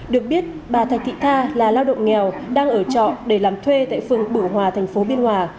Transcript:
được biết bà thạch thị tha là lao động nghèo đang ở trọ để làm thuê tại phường bửu hòa thành phố biên hòa